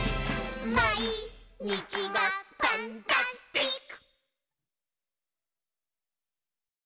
「まいにちがパンタスティック！」